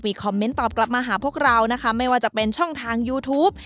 มีคอมเมนต์ตอบมาตอบมากกับพวกเราไม่ว่าจะเป็นช่องทางยูทูป